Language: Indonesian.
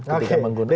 oke dengan pak budiono